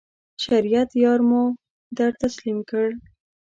شریعت یار مو در تسلیم کړ.